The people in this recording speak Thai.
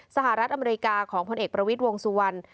สหรัฐอเมริกาของพลเอกประวิทวงศ์สู่วัน